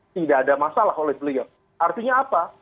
tidak ada masalah oleh beliau artinya apa